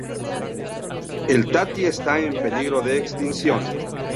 El tati está en peligro de extinción.